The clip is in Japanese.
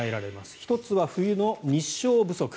１つは冬の日照不足。